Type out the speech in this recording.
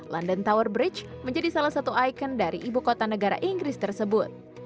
london tower bridge menjadi salah satu ikon dari ibu kota negara inggris tersebut